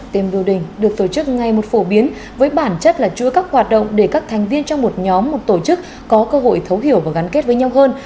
tìm building được tổ chức ngay một phổ biến với bản chất là chữa các hoạt động để các thành viên trong một nhóm một tổ chức có cơ hội thấu hiểu và gắn kết với nhau hơn